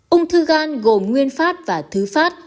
ưng thư gan gồm nguyên phát và thứ phát